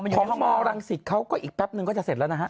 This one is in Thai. เพราะฮรังสิทธิ์เขาอีกแป๊บหนึ่งก็จะเสร็จแล้วนะฮะ